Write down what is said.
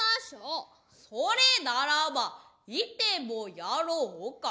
それならば行てもやろうか。